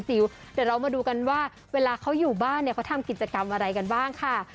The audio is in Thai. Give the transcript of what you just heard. เดี๋ยวเรามาดูกันว่าเวลาเขาอยู่บ้านเนี่ยเขาทำกิจกรรมอะไรกันบ้างค่ะ